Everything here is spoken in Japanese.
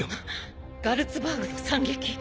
ガルツバーグの惨劇。